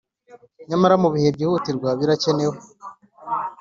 Nyamara mu bihe byihutirwa birakenewe